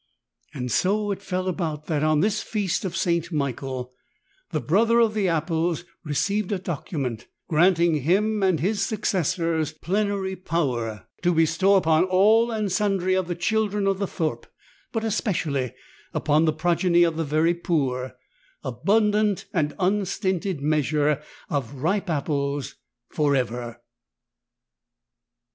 '' And so it fell about that on this feast of St. Michael the "Brother of the Apples" received a document granting him and his successors "plenary power to bestow upon all and sundry of the children of the thorpe, but especially upon the progeny of the very poor, abundant and unstinted measure of ripe apples for ever."